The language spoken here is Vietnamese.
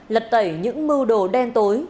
lật tẩy những mưu đồ đen tối